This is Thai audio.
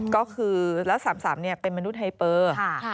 ก็คือแล้ว๓๓เป็นมนุษย์ไฮเปอร์